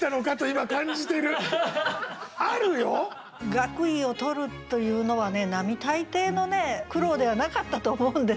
学位を取るというのはね並大抵の苦労ではなかったと思うんですよね。